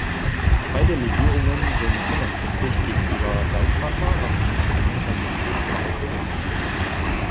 Beide Legierungen sind unempfindlich gegenüber Salzwasser, was sich bei Einsatz im Schiffbau bewährt.